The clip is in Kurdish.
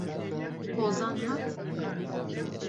Hozan hat?